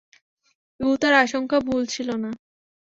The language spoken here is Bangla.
ইউতার আশংকা ভুল ছিলো না।